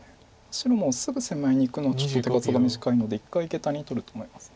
白もすぐ攻め合いにいくのはちょっと手数が短いので一回ゲタに取ると思います。